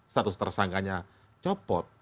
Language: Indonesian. status tersangkanya copot